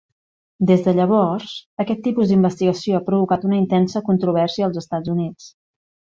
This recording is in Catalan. Des de llavors, aquest tipus d'investigació ha provocat una intensa controvèrsia als Estats Units.